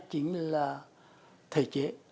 chính là thể chế